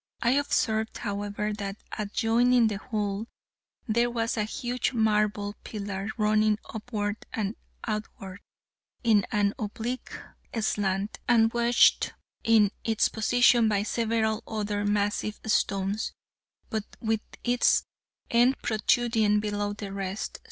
I observed, however, that adjoining the hole there was a huge marble pillar running upward and outward in an oblique slant, and wedged in its position by several other massive stones, but with its end protruding below the rest.